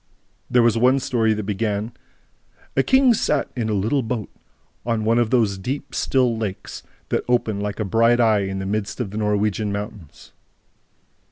There was one story that began: "A king sat in a little boat on one of those deep, still lakes that open like a bright eye in the midst of the Norwegian mountains